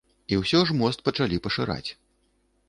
І ўсё ж мост пачалі пашыраць.